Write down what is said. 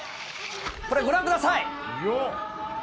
これ、ご覧ください。